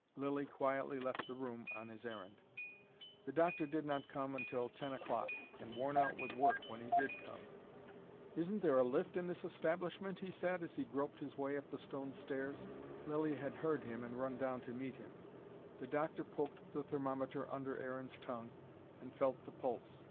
Lilly quietly left the room on his errand. The doctor did not come until ten o'clock: and worn out with work when he did come. "Isn't there a lift in this establishment?" he said, as he groped his way up the stone stairs. Lilly had heard him, and run down to meet him. The doctor poked the thermometer under Aaron's tongue and felt the pulse.